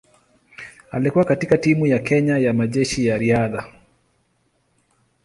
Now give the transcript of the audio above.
Alikuwa katika timu ya Kenya ya Majeshi ya Riadha.